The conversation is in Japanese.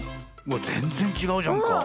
わっぜんぜんちがうじゃんか。